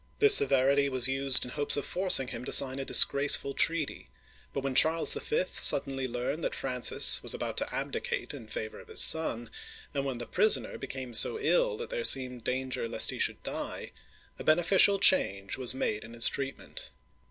This severity was used in hopes of forcing him to sign a disgraceful treaty; but when Charles V. suddenly learned that Francis was about to abdicate in favor of his son, and when the prisoner became so ill that there seemed danger lest he should die, a beneficial change was made in his treatment.